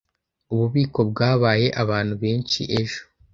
Ububiko bwabaye abantu benshi ejo.